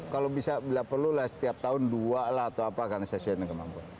kalau bisa bila perlu lah setiap tahun dua lah atau apa karena saya sudah tidak mampu